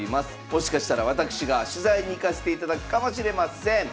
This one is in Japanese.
もしかしたら私が取材に行かせていただくかもしれません。